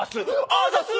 あざっす！